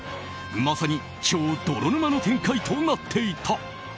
まさに超泥沼の展開となっていた。